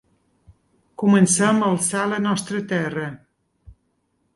Comencem a alçar la nostra terra.